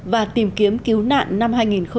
và tìm kiếm cứu nạn năm hai nghìn một mươi bảy